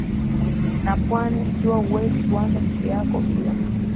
na pwani Ikiwa huwezi kuanza siku yako bila